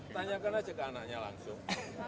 tanyakan aja ke anaknya langsung